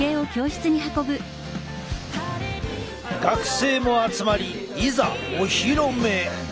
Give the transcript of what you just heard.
学生も集まりいざお披露目。